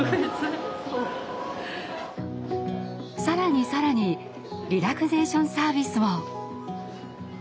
更に更にリラクゼーションサービスも！